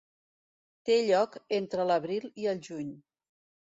Té lloc entre l'abril i el juny.